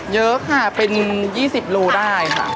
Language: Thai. เยอะค่ะเป็น๒๐โลได้ค่ะ